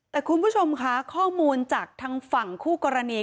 แต่คุณผู้ชมค่ะข้อมูลจากทางฝั่งคู่กรณี